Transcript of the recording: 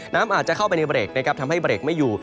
น้ำอาจจะเข้าไปในเบรกนะครับทำให้เบรกไม่อยู่